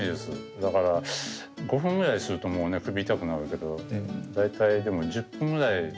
だから５分ぐらいするともう首痛くなるけど大体でも１０分ぐらいまでは我慢して。